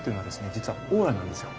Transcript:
実はオーラなんですよ。